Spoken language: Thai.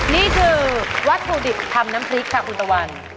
นี่คือวัตถุดิบทำน้ำพริกค่ะคุณตะวัน